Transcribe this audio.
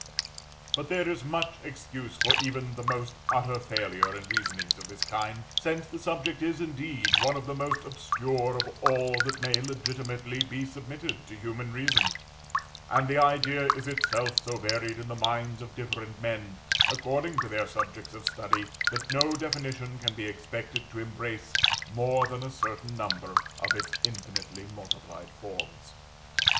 But there is much excuse for even the most utter failure in reasonings of this kind, since the subject is, indeed, one of the most obscure of all that may legitimately be submitted to human reason; and the idea is itself so varied in the minds of different men, according to their subjects of study, that no definition can be expected to embrace more than a certain number of its infinitely multiplied forms.